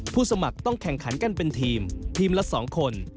สมัครต้องแข่งขันกันเป็นทีมทีมละ๒คน